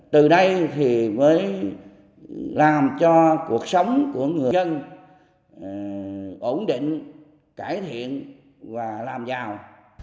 từ đây thì mới làm cho cuộc sống của người dân ổn định cải thiện và làm giàu